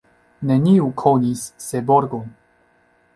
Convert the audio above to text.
Neniu konis Seborgon.